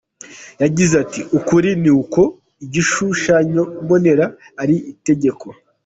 Yagize ati “Ukuri ni uko igishushanyombonera ari itegeko.